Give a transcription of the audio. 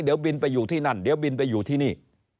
เดี๋ยวบินไปอยู่ที่นั่นเดี๋ยวบินไปอยู่ที่นี่